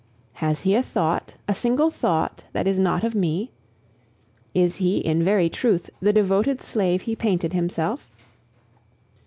Has he a thought, a single thought, that is not of me? Is he, in very truth, the devoted slave he painted himself?